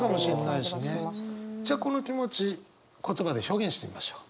じゃあこの気持ち言葉で表現してみましょう。